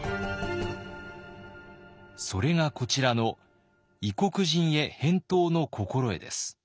それがこちらの「異国人江返答之心得」です。